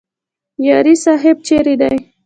یاري صاحب چیرې دی؟